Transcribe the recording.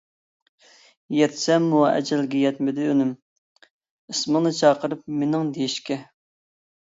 يەتسەممۇ ئەجەلگە يەتمىدى ئۈنۈم، ئىسمىڭنى چاقىرىپ مېنىڭ دېيىشكە.